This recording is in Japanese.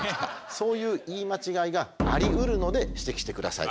そういう言い間違いがあり得るので指摘してください。